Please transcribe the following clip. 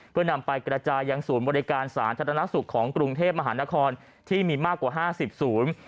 เพื่อนำไปกระจายยังศูนย์บริการสาธารณสุขของกรุงเทพมหานครที่มีมากกว่าห้าสิบศูนย์